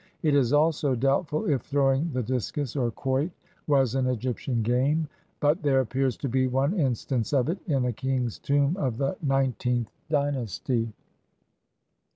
It is also doubtful if throwing the discus, or quoit, was an Egyp tian game; but there appears to be one instance of it, in a king's tomb of the Nineteenth Dynasty.